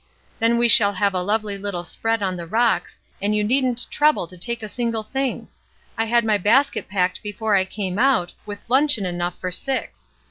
Then we shall have a lovely little spread on the rocks, and you needn't trouble to take a single thing. I had my basket packed before I came out, with luncheon enough for six.